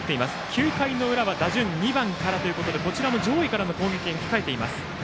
９回の裏は打順２番からということでこちらも上位からの攻撃が控えています。